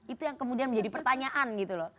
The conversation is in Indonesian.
itu yang kemudian menjadi pertanyaan gitu loh